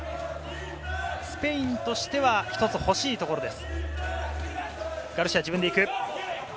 スペインとしては一つ欲しいところです。